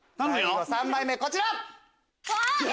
３枚目こちら！